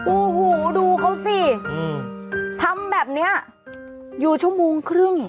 โอ้โหดูเขาสิทำแบบนี้อยู่ชั่วโมงครึ่ง